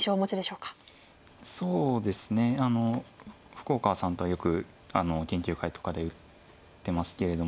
福岡さんとはよく研究会とかで打ってますけれども。